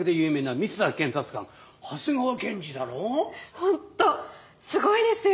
本当すごいですよ！